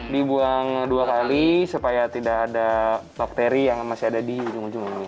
dibuang dua kali supaya tidak ada bakteri yang masih ada di ujung ujung ini